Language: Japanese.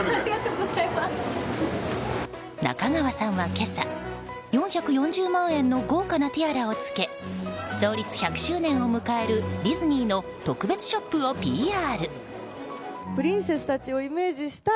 中川さんは今朝、４４０万円の豪華なティアラを着け創立１００周年を迎えるディズニーの特別ショップをＰＲ。